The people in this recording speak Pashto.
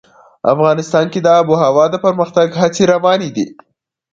افغانستان کې د آب وهوا د پرمختګ هڅې روانې دي.